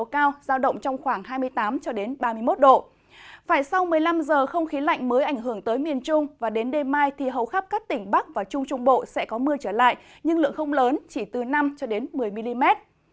không khí lạnh mới ảnh hưởng tới miền trung và đến đêm mai thì hầu khắp các tỉnh bắc và trung trung bộ sẽ có mưa trở lại nhưng lượng không lớn chỉ từ năm cho đến một mươi mm